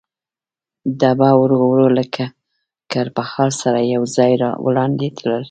ډبه ورو ورو له کړپهار سره یو ځای وړاندې تلل.